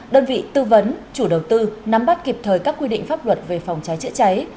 đơn vị tư vấn chủ đầu tư nắm bắt kịp thời các quy định pháp luật về phòng cháy chữa cháy